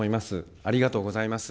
ありがとうございます。